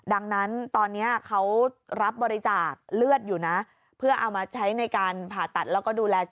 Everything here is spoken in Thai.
ดังนั้นตอนนี้เขารับบริจาคเลือดอยู่นะเพื่อเอามาใช้ในการผ่าตัดแล้วก็ดูแล